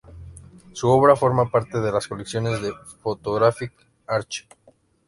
Su obra forma parte de las colecciones del Photographic archive.